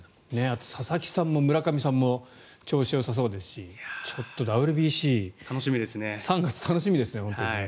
佐々木さんも村上さんも調子よさそうですしちょっとＷＢＣ３月楽しみですね、本当に。